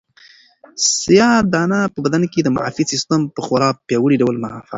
سیاه دانه په بدن کې د معافیت سیسټم په خورا پیاوړي ډول فعالوي.